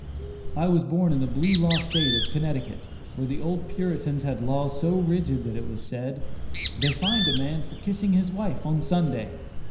I was born in the blue law State of Connecticut, where the old Puritans had laws so rigid that it was said, "they fined a man for kissing his wife on Sunday."